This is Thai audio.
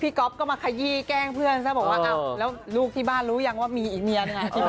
พี่โก๊บก็มาคยีแกล้งเพื่อนแต่บอกว่าแล้วลูกที่บ้านรู้อย่างว่ามีอีเนียหรือไง